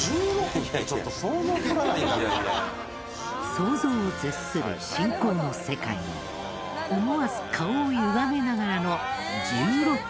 想像を絶する信仰の世界に思わず顔をゆがめながらの「１６って」でした。